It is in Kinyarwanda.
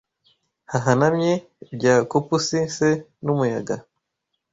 hahanamye Bya copusi se n’umuyaga